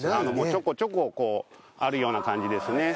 ちょこちょこあるような感じですね。